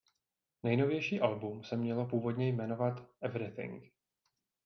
Nejnovější album se mělo původně jmenovat "Everything".